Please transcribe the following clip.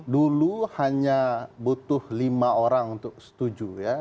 dulu hanya butuh lima orang untuk setuju ya